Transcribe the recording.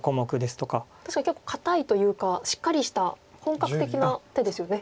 確かに結構堅いというかしっかりした本格的な手ですよね。